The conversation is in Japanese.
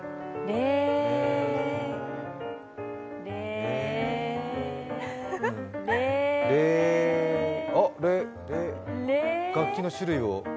レーあっ、楽器の種類を。